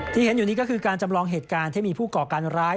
ที่เห็นอยู่นี้ก็คือการจำลองเหตุการณ์ที่มีผู้ก่อการร้าย